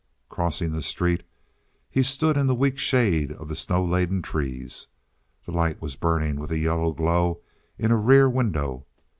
Crossing the street, he stood in the weak shade of the snow laden trees. The light was burning with a yellow glow in a rear window.